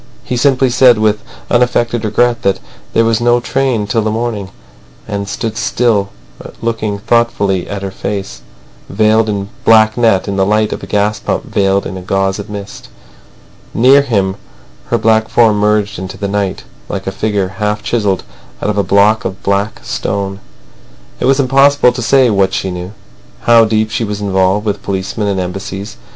He simply said with unaffected regret that there was no train till the morning, and stood looking thoughtfully at her face, veiled in black net, in the light of a gas lamp veiled in a gauze of mist. Near him, her black form merged in the night, like a figure half chiselled out of a block of black stone. It was impossible to say what she knew, how deep she was involved with policemen and Embassies.